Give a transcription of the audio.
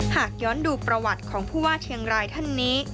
หากย้อนดูประวัติของผู้ว่าเชียงรายท่านนี้